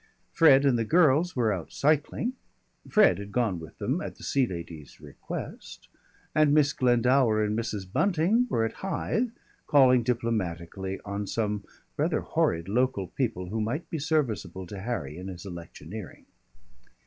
Fred and the girls were out cycling Fred had gone with them at the Sea Lady's request and Miss Glendower and Mrs. Bunting were at Hythe calling diplomatically on some rather horrid local people who might be serviceable to Harry in his electioneering.